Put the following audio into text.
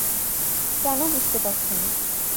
কেন বুঝতে পারছো না?